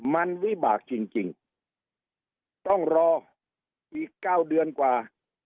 มันวิบากจริงต้องรออีก๙เดือนกว่า